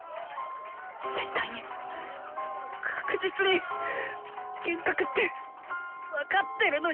絶対に確実に幻覚って分かってるのに。